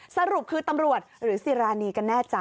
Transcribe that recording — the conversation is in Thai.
สรุปคือตำรวจหรือสิรานีกันแน่จ้